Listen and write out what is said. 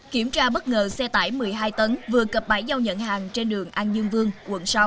kiểm tra bất ngờ xe tải một mươi hai tấn vừa cập bãi giao nhận hàng trên đường an dương vương quận sáu